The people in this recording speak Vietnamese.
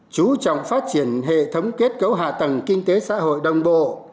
chú trọng phát triển hệ thống kết cấu hạ tầng kinh tế xã hội đồng bộ